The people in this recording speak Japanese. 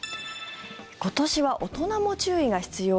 今年は大人も注意が必要？